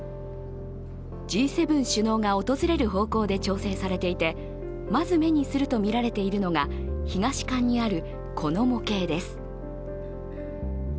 Ｇ７首脳が訪れる方向で調整されていて、まず目にするとみられているのが東館にある、この模型です。